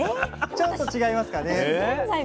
ちょっと違いますかね。